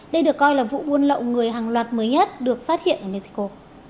đây được coi là vụ buôn lậu người hàng loạt mới nhất được phát hiện ở mexico